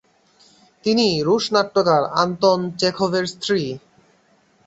তিনি রুশ নাট্যকার আন্তন চেখভের স্ত্রী।